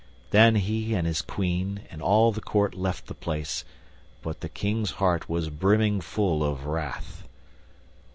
Then he and his Queen and all the court left the place, but the King's heart was brimming full of wrath.